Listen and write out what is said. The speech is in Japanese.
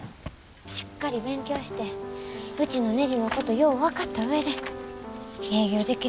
しっかり勉強してうちのねじのことよう分かった上で営業できるようになりたいんです。